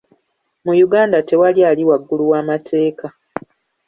Mu Uganda tewali ali waggulu w'amateeka.